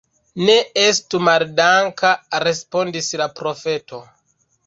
Ne estu maldanka, respondis la profeto.